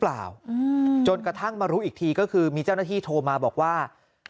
จนกระทั่งมารู้อีกทีก็คือมีเจ้าหน้าที่โทรมาบอกว่า